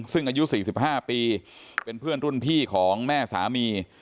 ซึ่งอายุ๔๕ปีเป็นเพื่อนรุ่นพี่ของแม่สามี